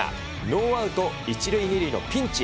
ノーアウト１塁２塁のピンチ。